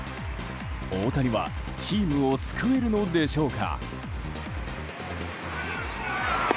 大谷はチームを救えるのでしょうか。